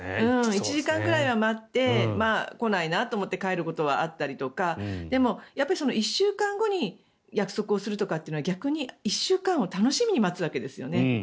１時間ぐらいは待って来ないなと思って帰ることはあったりとかでも、１週間後に約束をするとかっていうのは逆に１週間を楽しみに待つわけですよね。